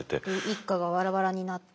一家がバラバラになって。